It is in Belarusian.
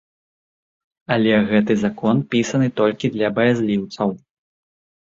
Але гэты закон пісаны толькі для баязліўцаў.